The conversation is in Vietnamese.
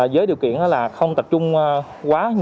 với điều kiện là không tập trung quá